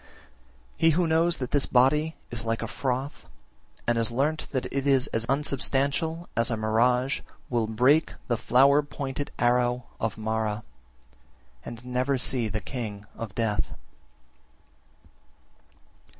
46. He who knows that this body is like froth, and has learnt that it is as unsubstantial as a mirage, will break the flower pointed arrow of Mara, and never see the king of death.